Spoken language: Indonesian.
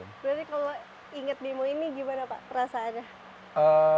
berarti kalau inget demo ini gimana pak perasaannya